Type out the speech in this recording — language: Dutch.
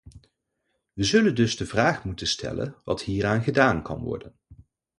We zullen dus de vraag moeten stellen wat hieraan gedaan kan worden.